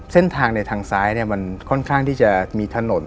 เส้นทางในทางซ้ายมันค่อนข้างที่จะมีถนน